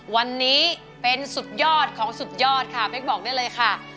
วันนี้เป็นสุดยอดของสุดยอดค่ะ